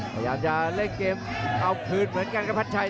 พยายามจะเล่นเกมเอาคืนเหมือนกันครับพัชชัย